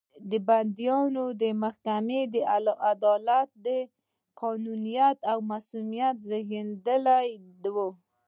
د بندیانو محاکمه د عدالت، قانونیت او مصونیت زېږنده وو.